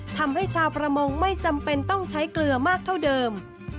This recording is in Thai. ทำให้ชาวประมงไม่จำเป็นต้องใช้เกลือมากเท่าเดิม